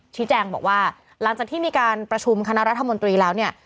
ชี้แจงบอกว่าหลังจากที่มีการประชุมคณะรัฐมนตรีแล้วเนี่ย